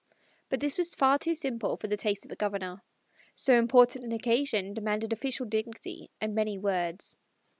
But this was far too simple for the taste of a Governor. So important an occasion demanded official dignity and many words.